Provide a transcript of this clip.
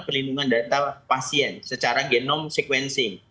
perlindungan data pasien secara genome sequencing